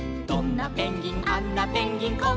「どんなペンギンあんなペンギン」